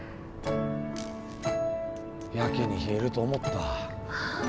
やけに冷えると思った。